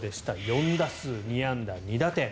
４打数２安打２打点。